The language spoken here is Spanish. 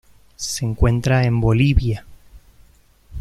Se encuentra en Bolivia.